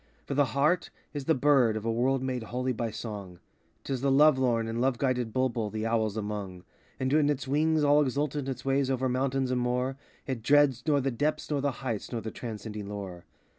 For the heart is the bird of a world made holy by song; 'T is the love lorn and love guided bulbul the owls among. And when it wings all exultant its way over mountain and moor, It dreads nor the depths nor the heights nor the transcending lure.